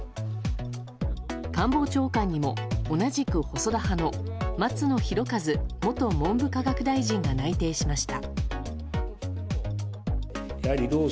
官房長官にも、同じく細田派の松野博一元文部科学大臣が内定しました。